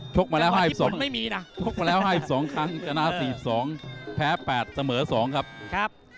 ชกมาแล้ว๕๒ครั้งชนะ๔๒แพ้๘เสมอ๒ครับ